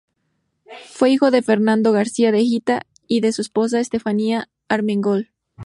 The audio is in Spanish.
Fue hijo de Fernando García de Hita y de su esposa Estefanía Armengol.